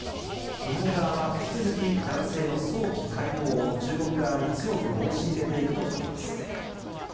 日本側は引き続き男性の早期解放を、中国側に強く申し入れていくとしています。